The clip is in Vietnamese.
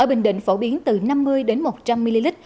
ở bình định phổ biến từ năm mươi đến một trăm linh ml